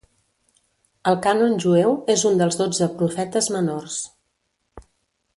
Al cànon jueu és un dels dotze profetes menors.